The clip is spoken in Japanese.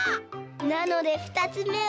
なのでふたつめは。